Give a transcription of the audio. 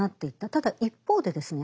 ただ一方でですね